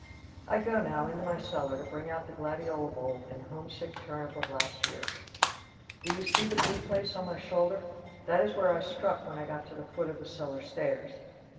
I go now into my cellar to bring out the gladiola bulb and the homesick turnip of last year. Do you see the blue place on my shoulder? That is where I struck when I got to the foot of the cellar stairs.